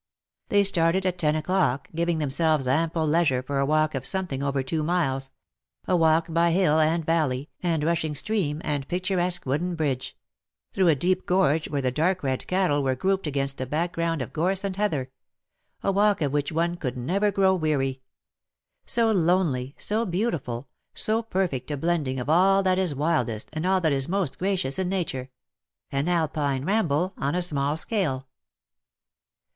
They started at ten o'clock, giving themselves ample leisure for a walk of something over two miles — a walk by hill and valley, and rushing stream, and picturesque wooden bridge — through a deep gorge where the dark red cattle were grouped FROM WINTRY COLD." 10? against a background of gorss and heather — a walk of which one could never grow weary — so lonely, so beautiful, so perfect a blending of all that is wildest and all that is most gracious in Nature — an Alpine ramble on a small scale.